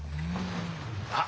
あっ！